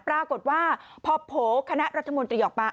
ปรากฏว่าพอโผล่คณะรัฐมนตรีออกมา